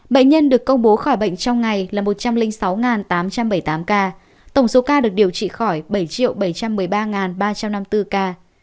bệnh nhân được công bố khỏi bệnh trong ngày là một trăm linh sáu tám trăm bảy mươi tám ca tổng số ca được điều trị khỏi bảy bảy trăm một mươi ba ba trăm năm mươi bốn ca